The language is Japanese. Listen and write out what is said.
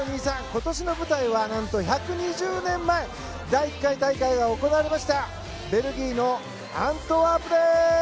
今年の舞台は何と１２０年前第１回大会が行われましたベルギーのアントワープです！